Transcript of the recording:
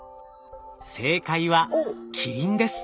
正解はキリンです。